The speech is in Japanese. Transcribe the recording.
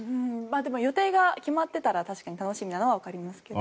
でも予定が決まっていたら楽しみなのはわかりますけど。